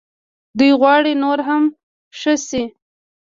دوی غواړي نور هم ښه شي.